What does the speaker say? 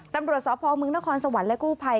ตำรวจสพมนครสวรรค์และกู้ภัย